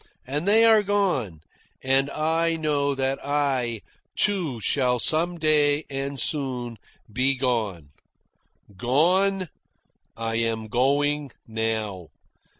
And they are gone. And I know that I, too, shall some day, and soon, be gone. Gone? I am going now.